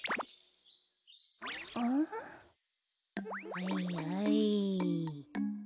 はいはい。